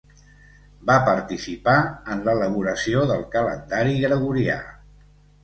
Va participar en l'elaboració del calendari gregorià.